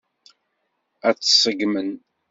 Ad t-ṣeggmen.